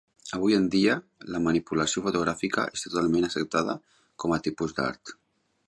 Avui en dia, la manipulació fotogràfica està àmpliament acceptada com un tipus d'art.